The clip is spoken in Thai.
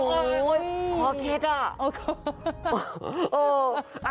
กรอกเท็จอะ